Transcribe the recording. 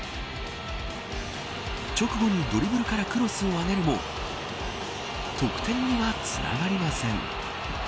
直後にドリブルからクロスを上げるも得点には、つながりません。